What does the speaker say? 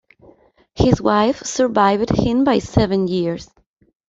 His wife survived him by seven years.